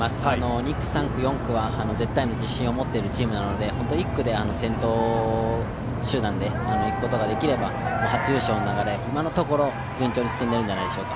２区、３区、４区は絶対の自信を持っているチームなので本当は１区で先頭集団で行くことができれば初優勝の流れ、今のところ順調に進んでいるんではないでしょうか。